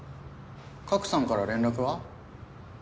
賀来さんから連絡は？